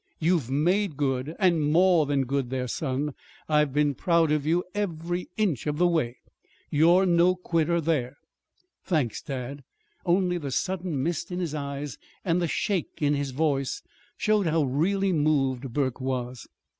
"You've made good, and more than good there, son. I've been proud of you every inch of the way. You're no quitter there." "Thanks, dad!" Only the sudden mist in his eyes and the shake in his voice showed how really moved Burke was.